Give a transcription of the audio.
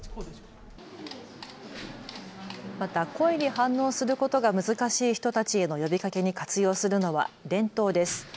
また声に反応することが難しい人たちへの呼びかけに活用するのは電灯です。